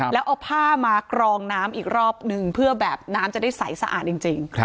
แล้วเอาผ้ามากรองน้ำอีกรอบนึงเพื่อแบบน้ำจะได้ใสสะอาดจริง